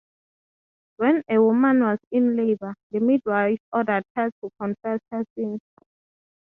When a woman was in labor, the midwife ordered her to confess her sins.